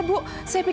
dia pasti menang